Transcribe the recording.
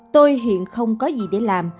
tôi hiện không có gì để làm